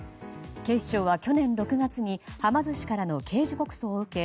警視庁は去年６月にはま寿司からの刑事告訴を受け